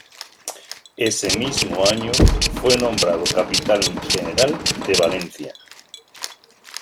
Ese mismo año fue nombrado capitán general de Valencia.